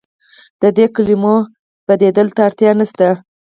د دې کلمو بدیل ته اړتیا نشته.